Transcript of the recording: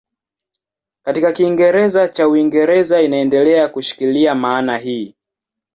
Katika Kiingereza cha Uingereza inaendelea kushikilia maana hii.